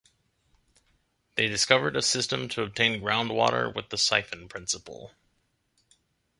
They discovered a system to obtain ground water with the siphon principle.